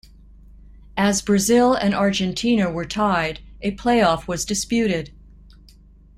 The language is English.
As Brazil and Argentina were tied, a playoff was disputed.